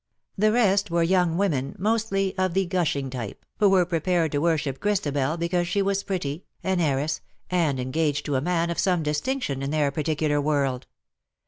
The rest were young women, mostly of the gushing type, who were prepared to worship Christabel because she was pretty, an heiress, and engaged to a man of some distinction in their particular world.